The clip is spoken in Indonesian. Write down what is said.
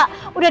serbuk di atas